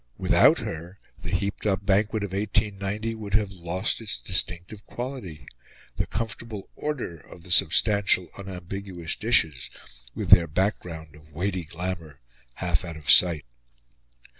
Without her the heaped up banquet of 1890 would have lost its distinctive quality the comfortable order of the substantial unambiguous dishes, with their background of weighty glamour, half out of sight.